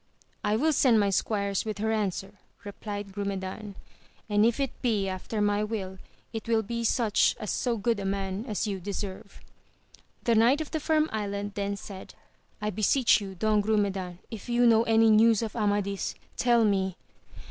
I will send my squires with her answer, replied Grumedan, and if it be after my will it will be such as so good a man as you deserve. The Knight of the Firm Island then said, I beseech you Don Grumedan if you know any news of Amadis tell me